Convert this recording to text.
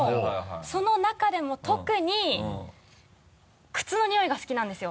その中でも特に靴のニオイが好きなんですよ。